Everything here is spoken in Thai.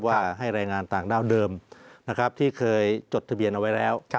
ว่าให้แรงงานต่างด้าวเดิมที่เคยจดทะเบียนเอาไว้แล้ว